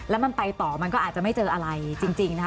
แล้วมันไปต่อมันก็อาจจะไม่เจออะไรจริงนะคะ